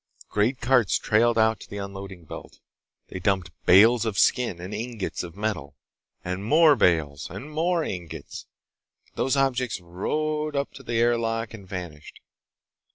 Great carts trailed out to the unloading belt. They dumped bales of skins and ingots of metal, and more bales and more ingots. Those objects rode up to the air lock and vanished.